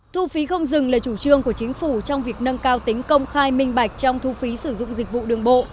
thu phí không dừng là chủ trương của chính phủ trong việc nâng cao tính công khai minh bạch trong thu phí sử dụng dịch vụ đường bộ